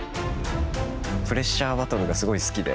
プレッシャーバトルがすごい好きで。